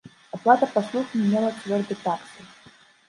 Аплата паслуг не мела цвёрдай таксы.